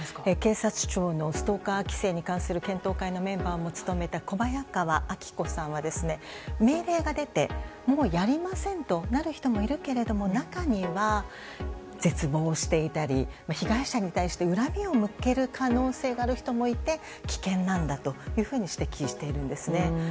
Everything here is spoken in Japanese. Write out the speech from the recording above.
警察庁のストーカー規制に関する検討会のメンバーも務めた小早川明子さんは命令が出て、もうやりませんとなる人もいるけれど中には、絶望していたり被害者に対して恨みを向ける可能性がある人もいて危険なんだと指摘しているんです。